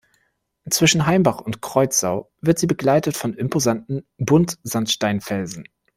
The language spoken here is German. Zwischen Heimbach und Kreuzau wird sie begleitet von imposanten Buntsandsteinfelsen.